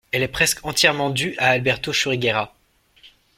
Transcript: Elle est presque entièrement due à Alberto Churriguera.